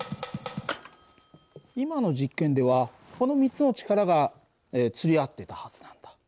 今の実験ではこの３つの力がつり合っていたはずなんだ。